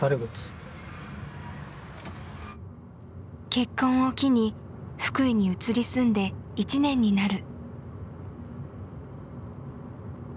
結婚を機に福井に移り住んで１年になる。